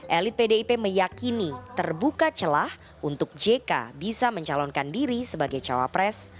elit pdip meyakini terbuka celah untuk jk bisa mencalonkan diri sebagai cawapres